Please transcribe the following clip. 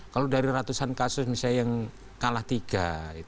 kalau dari ratusan kasus misalnya yang kalah tiga